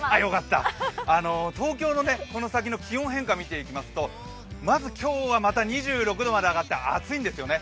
東京のこの先の気温変化見ていきますとまず今日はまた２６度まで上がって暑いんですよね。